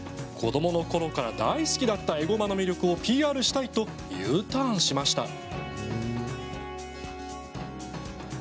子どものころから大好きだったえごまの魅力をＰＲしたいとＵターンしました。